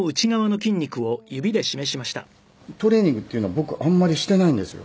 つまり腕のトレーニングっていうのは僕あんまりしていないんですよ。